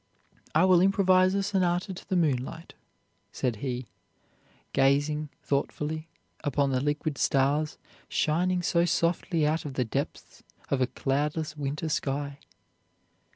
"'I will improvise a sonata to the moonlight,' said he, gazing thoughtfully upon the liquid stars shining so softly out of the depths of a cloudless winter sky.